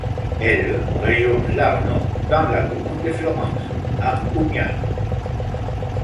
Elle rejoint l'Arno dans la commune de Florence, à Ugnano.